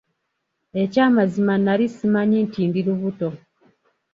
Eky'amazima nnali ssimanyi nti ndi lubuto.